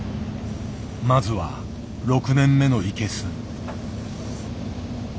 まずは６年目のイケス。